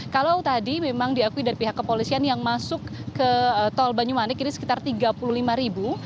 kalau tadi memang diakui dari pihak kepolisian yang masuk ke tol banyumanik ini sekitar tiga puluh lima ribu